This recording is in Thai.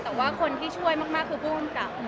แต่ว่าคนที่ช่วยมากคือผู้กำกับ